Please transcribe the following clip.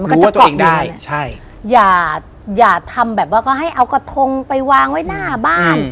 มันก็จะเกาะได้ใช่อย่าอย่าทำแบบว่าก็ให้เอากระทงไปวางไว้หน้าบ้าน